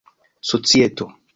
societo